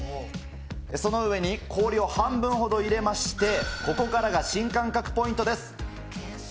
その上に氷を半分ほど入れまして、ここからが新感覚ポイントです。